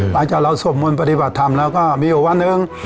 หลังจากเราสวดมนต์ปฏิบัติธรรมแล้วก็มีอยู่วันหนึ่ง